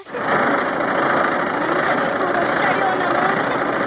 あんたが殺したようなもんじゃ！